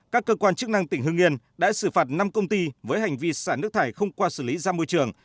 các cơ quan chức năng tỉnh hương yên đã xử phạt năm công ty với hành vi xả nước thải không qua xử lý ra môi trường